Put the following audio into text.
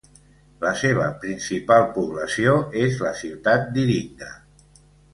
La seva principal població és la ciutat d'Iringa.